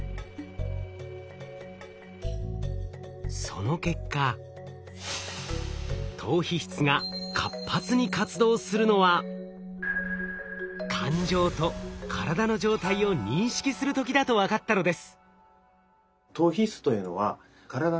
その結果島皮質が活発に活動するのは感情と体の状態を認識する時だと分かったのです。